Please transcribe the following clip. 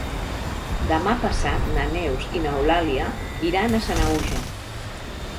Demà passat na Neus i n'Eulàlia iran a Sanaüja.